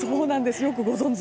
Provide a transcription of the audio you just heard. よくご存じ！